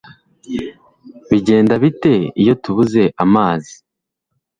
Bigenda bite iyo tubuze amazi?